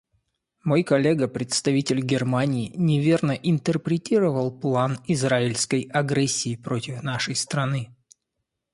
Мой коллега, представитель Германии, неверно интерпретировал план израильской агрессии против нашей страны.